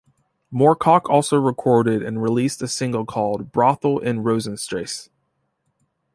Moorcock also recorded and released a single called "Brothel in Rosenstrasse".